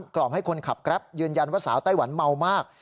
กล่อมให้คนขับแกรปยืนยันว่าสาวไต้หวันเมามาก